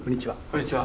こんにちは。